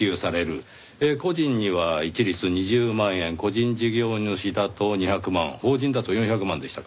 個人には一律２０万円個人事業主だと２００万法人だと４００万でしたか？